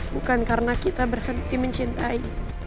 bukan karena kita berhenti mencintai